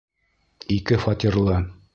Ике фатирлы.